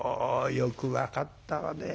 よく分かったわね。